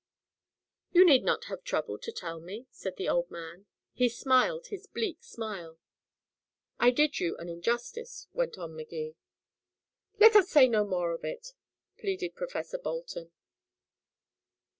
"You need not have troubled to tell me," said the old man. He smiled his bleak smile. "I did you an injustice," went on Magee. "Let us say no more of it," pleaded Professor Bolton.